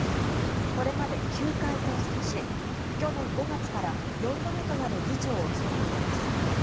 これまで９回当選し去年５月から４度目となる議長を務めています。